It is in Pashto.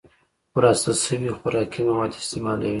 وراسته شوي خوراکي مواد استعمالوي